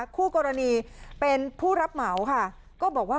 คู่กรณีปรบองคับของคุณธรรมพงศ์